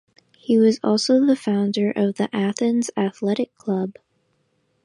He was also the founder of the "Athens Athletic Club".